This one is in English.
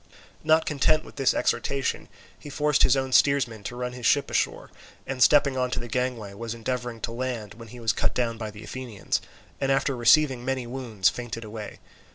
Not content with this exhortation, he forced his own steersman to run his ship ashore, and stepping on to the gangway, was endeavouring to land, when he was cut down by the Athenians, and after receiving many wounds fainted away.